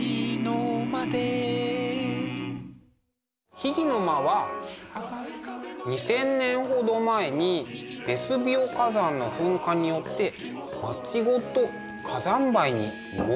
秘儀の間は２，０００年ほど前にベスビオ火山の噴火によって街ごと火山灰に埋もれてしまいました。